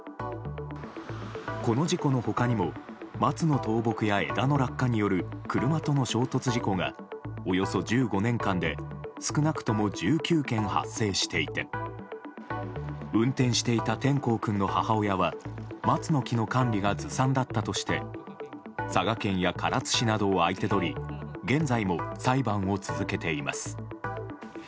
この事故の他にも松の倒木や枝の落下による車との衝突事故がおよそ１５年間で少なくとも１９件発生していて運転していた辿皇君の母親は松の木の管理がずさんだったとして佐賀県や唐津市などを相手取り現在も裁判を続けています。